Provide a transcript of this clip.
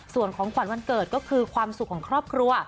ส่วนของขวัญวันเกิดก็คือความสุขของครอบครัว